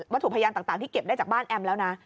ถูกพยานต่างที่เก็บได้จากบ้านแอมแล้วนะ